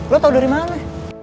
lo tau dari mana